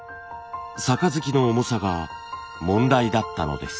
盃の重さが問題だったのです。